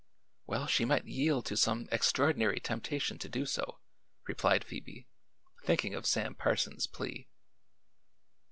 "Well she might yield to some extraordinary temptation to do so," replied Phoebe, thinking of Sam Parsons' plea.